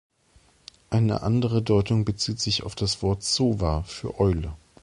Eine andere Deutung bezieht sich auf das Wort „sowa“ für Eule.